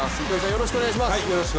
よろしくお願いします。